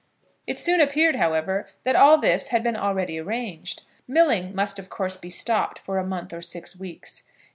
It soon appeared, however, that all this had been already arranged. Milling must of course be stopped for a month or six weeks.